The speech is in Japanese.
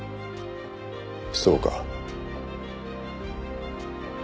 そうか。